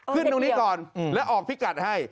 ขึ้นตรงนี้ก่อนแล้วออกพิกัดให้